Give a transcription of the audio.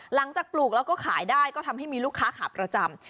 ปลูกแล้วก็ขายได้ก็ทำให้มีลูกค้าขาประจำ